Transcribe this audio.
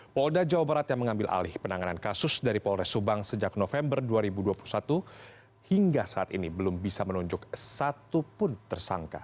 polda jawa barat yang mengambil alih penanganan kasus dari polres subang sejak november dua ribu dua puluh satu hingga saat ini belum bisa menunjuk satupun tersangka